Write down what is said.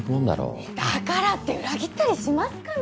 えっだからって裏切ったりしますかね？